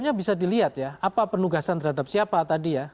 sebenarnya bisa dilihat ya apa penugasan terhadap siapa tadi ya